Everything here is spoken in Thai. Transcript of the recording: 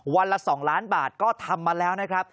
ละ๒ล้านบาทก็ทำมาแล้วนะครับ